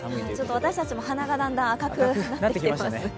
私たちも鼻がだんだん赤くなっていますね。